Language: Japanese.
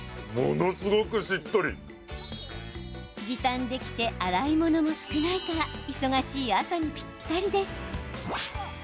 時短できて、洗い物も少ないから忙しい朝にぴったりです。